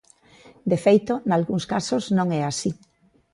De feito, nalgúns casos non é así.